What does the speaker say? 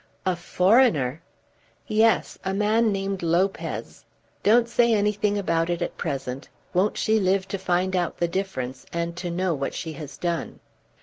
"A foreigner!" "Yes; a man named Lopez. Don't say anything about it at present. Won't she live to find out the difference, and to know what she has done!